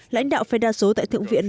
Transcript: lãnh đạo phe đa số tại thượng viện